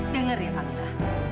dengar ya kamila